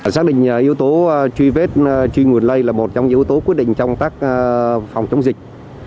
xác định yếu tố truy vết truy nguồn lây là một trong những yếu tố quyết định trong tác phòng chống dịch